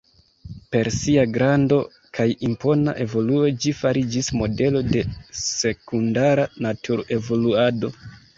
Per sia grando kaj impona evoluo ĝi fariĝis modelo de sekundara natur-evoluado.